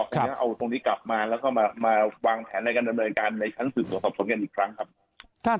ตอนนี้เอาตรงนี้กลับมาแล้วก็มาวางแผนในการดำเนินการในชั้นสืบสวนสอบสวนกันอีกครั้งครับ